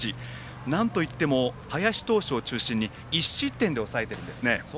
なんといっても林投手を中心に１失点で抑えているんですね。